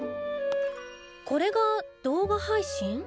これが動画配信？